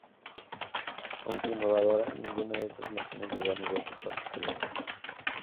Aunque innovadora, ninguna de estas máquinas llegó a negocios o particulares.